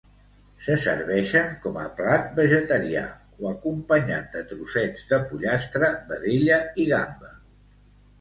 Se serveixen com a plat vegetarià o acompanyat de trossets de pollastre, vedella i gamba.